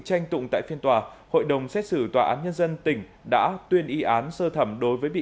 tranh tụng tại phiên tòa hội đồng xét xử tòa án nhân dân tỉnh đã tuyên y án sơ thẩm đối với bị